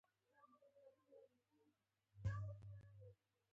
د دې حقوقو په سر کې کرامت دی.